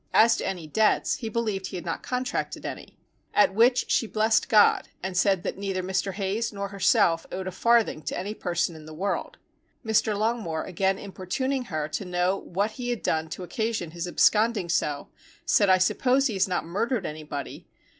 As to any debts, he believed he had not contracted any. At which she blessed God and said that neither Mr. Hayes nor herself owed a farthing to any person in the world. Mr. Longmore again importuning her to know what he had done to occasion his absconding so, said _I suppose he has not murdered anybody?